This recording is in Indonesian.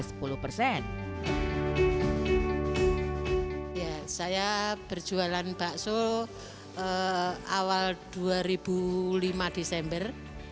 saya berjualan bakso awal dua ribu lima desember